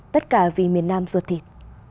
tất cả vì miền nam ruột thịt